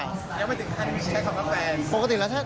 ยังไม่ถึงครั้งนี้ใช้คำถามแฟน